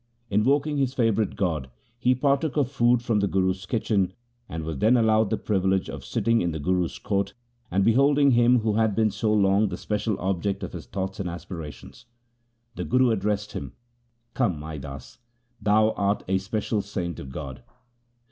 Invoking his favourite god, he partook of food from the Guru's kitchen, and was then allowed the privi lege of sitting in the Guru's court and beholding him who had been so long the special object of his thoughts and aspirations. The Guru addressed him, ' Come, Mai Das, thou art a special saint of God.'